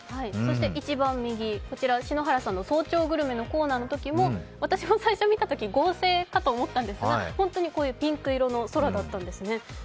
一番右、篠原さんの早朝グルメのコーナーのときも私も最初見たとき、合成かと思ったんですが、本当にこういうピンク色の空だったんですね。